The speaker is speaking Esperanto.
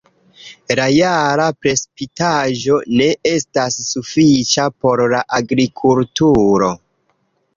La jara precipitaĵo ne estas sufiĉa por la agrikulturo.